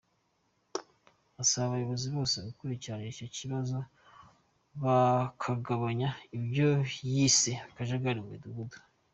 Asaba abayobozi bose gukurikirana icyo kibazo bakagabanya ibyo yise akajagari mu midugudu.